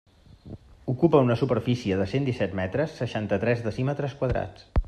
Ocupa una superfície de cent disset metres, seixanta-tres decímetres quadrats.